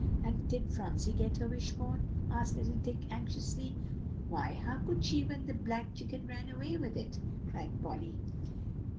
"And did Phronsie get her wish bone?" asked little Dick anxiously. "Why, how could she, when the black chicken ran away with it?" cried Polly.